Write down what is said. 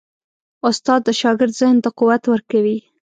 استاد د شاګرد ذهن ته قوت ورکوي.